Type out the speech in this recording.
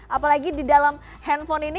apalagi di dalam handphone ini